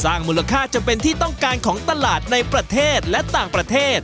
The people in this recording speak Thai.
มูลค่าจำเป็นที่ต้องการของตลาดในประเทศและต่างประเทศ